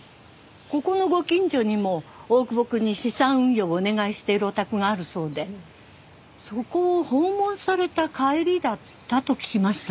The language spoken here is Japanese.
ここのご近所にも大久保くんに資産運用をお願いしているお宅があるそうでそこを訪問された帰りだったと聞きましたわ。